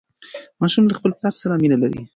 ماشوم له خپل پلار سره مینه لري.